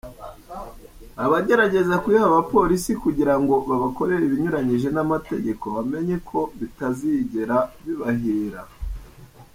Abagerageza kuyiha abapolisi kugira ngo babakorere ibinyuranyije n’amategeko bamenye ko bitazigera bibahira.